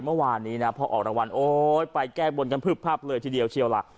เมื่อวานนี้นะพอออกรางวัลโอ๊ยไปแก้บนกันพึบพับเลยทีเดียวเชียวล่ะ